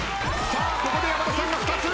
ここで山田さんが２つ。